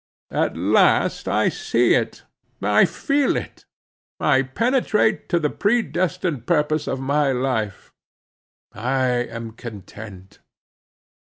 At last I see it, I feel it; I penetrate to the predestinated purpose of my life. I am content.